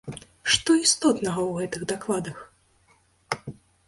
Што істотнага ў гэтых дакладах?